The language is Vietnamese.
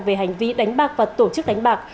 về hành vi đánh bạc và tổ chức đánh bạc